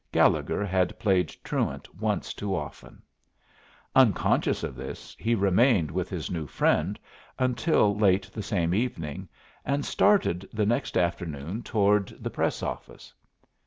Gallegher had played truant once too often. Unconscious of this, he remained with his new friend until late the same evening, and started the next afternoon toward the Press office.